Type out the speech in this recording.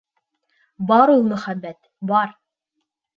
Бар ул мөхәббәт, бар!